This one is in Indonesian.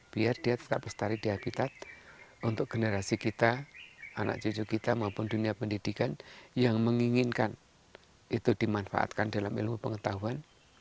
biar dia tetap lestari di habitat untuk generasi kita anak cucu kita maupun dunia pendidikan yang menginginkan itu dimanfaatkan dalam ilmu pengetahuan